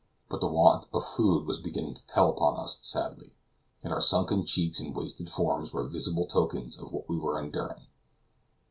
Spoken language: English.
But the want of food was beginning to tell upon us sadly, and our sunken cheeks and wasted forms were visible tokens of what we were enduring.